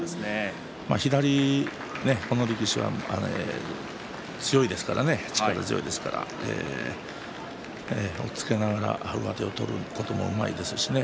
左ね、この力士強いですからね、力強いですから押っつけながら上手を取ることもうまいですしね。